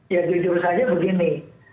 ya jujur saja begini